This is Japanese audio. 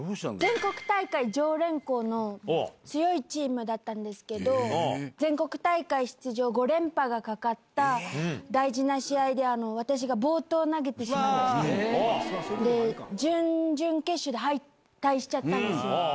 全国大会常連校の強いチームだったんですけど、全国大会出場５連覇がかかった大事な試合で、私が暴投投げてしまいまして、もう準々決勝で敗退しちゃったんですよ。